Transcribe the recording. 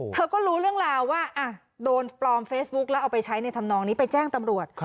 เธอก็รู้เรื่องราวว่าโดนปลอมเฟซบุ๊คแล้วเอาไปใช้ในธรรมนองนี้ไปแจ้งตำรวจ